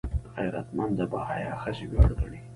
غیرتمند د باحیا ښځې ویاړ ګڼي